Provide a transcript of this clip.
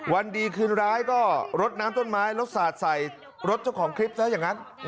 วันดีคืนร้ายก็รดน้ำต้นไม้แล้วสาดใส่รถเจ้าของคลิปซะอย่างนั้น